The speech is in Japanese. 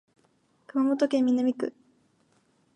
熊本市南区